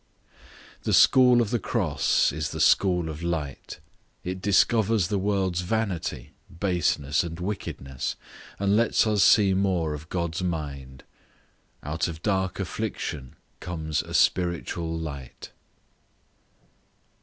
The school of the cross is the school of light; it discovers the world's vanity, baseness, and wickedness, and lets us see more of God's mind. Out of dark affliction comes a spiritual light.